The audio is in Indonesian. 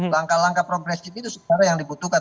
langkah langkah progresif itu sebenarnya yang dibutuhkan